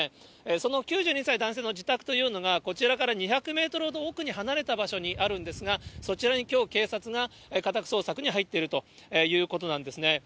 その９２歳男性の自宅というのが、こちらから２００メートルほど奥に離れた場所にあるんですが、そちらにきょう警察が家宅捜索に入っているということなんですね。